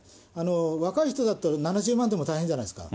若い人だと７０万でも大変じゃないですか。